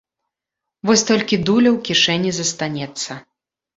Вось толькі дуля ў кішэні застанецца.